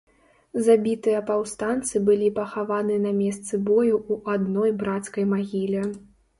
Забітыя паўстанцы былі пахаваны на месцы бою ў адной брацкай магіле.